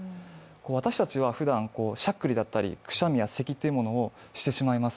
私たちはふだんしゃっくりだったりくしゃみや、せきというものをしてしまいます。